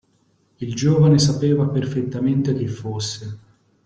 Il giovane sapeva perfettamente chi fosse.